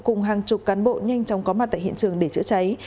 cùng hàng chục cán bộ nhanh chóng có mặt tại hiện trường để chữa cháy